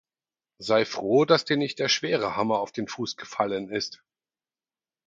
Sei froh, dass dir nicht der schwere Hammer auf den Fuß gefallen ist!